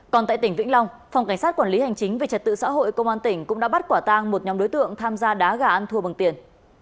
còn tại tỉnh vĩnh long phòng cảnh sát quản lý hành chính về trật tự xã hội công an tỉnh cũng đã bắt quả tang một nhóm đối tượng tham gia đá gà ăn thua bằng tiền